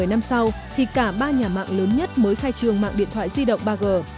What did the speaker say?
năm sau thì cả ba nhà mạng lớn nhất mới khai trương mạng điện thoại di động ba g